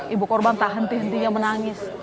ibu korban tahan tih tihnya menangis